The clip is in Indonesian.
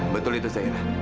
betul itu zairah